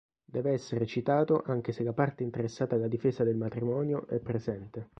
Deve essere citato anche se la parte interessata alla difesa del matrimonio è presente.